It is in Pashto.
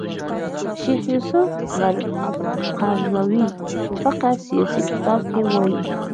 شیخ یوسف قرضاوي فقه سیاسي کتاب کې وايي